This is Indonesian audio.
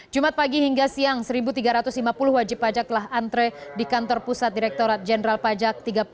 jumat pagi hingga siang satu tiga ratus lima puluh wajib pajak telah antre di kantor pusat direkturat jenderal pajak